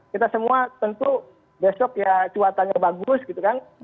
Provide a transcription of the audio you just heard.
kita semua tentu besok ya cuatannya bagus gitu kan